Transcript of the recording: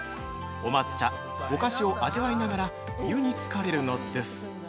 お抹茶、お菓子を味わいながら湯につかれるのです。